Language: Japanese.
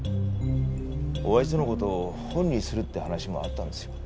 親父との事を本にするって話もあったんですよ。